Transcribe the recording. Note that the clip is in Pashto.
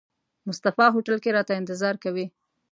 مصطفی هوټل کې راته انتظار کوي.